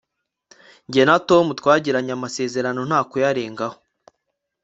jye na tom twagiranye amasezerano nta kuyarengaho